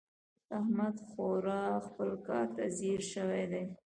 احمد خورا خپل کار ته ځيږ شوی دی.